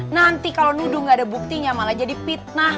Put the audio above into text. nanti kalau nuduh gak ada buktinya malah jadi fitnah